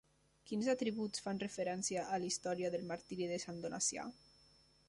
Quins atributs fan referència a la història del martiri de Sant Donacià?